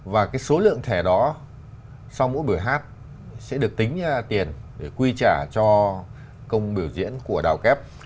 và cái số lượng thẻ đó sau mỗi bữa hát sẽ được tính ra tiền để quy trả cho công biểu diễn của đào kép